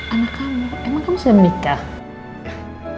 anak kamu emang kamu sudah menikah